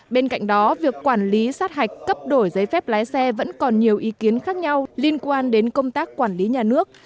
bên cạnh đó việc quản lý sát hạch cấp đổi giấy phép lái xe vẫn còn nhiều ý kiến khác nhau liên quan đến công tác quản lý nhà nước